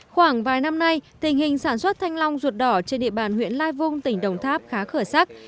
khoảng vài năm nay tình hình sản xuất thanh long ruột đỏ trên địa bàn huyện lai vung tỉnh đồng tháp khá khởi sắc